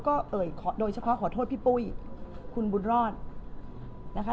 เขาโดยเฉพาะขอโทษพี่ปุ๊ยคุณบุตรรอดนะคะ